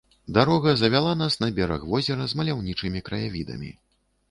Дарога завяла нас на бераг возера з маляўнічымі краявідамі.